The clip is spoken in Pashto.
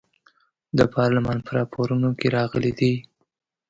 د پارلمان په راپورونو کې راغلي دي.